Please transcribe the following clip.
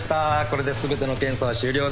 これで全ての検査は終了です。